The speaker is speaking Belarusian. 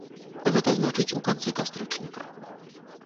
Гэта значыць, у канцы кастрычніка.